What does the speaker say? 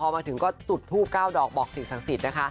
มาถึงสุดพูภก้าวดอกบอกสิทธ์ศักดิ์ศิษย์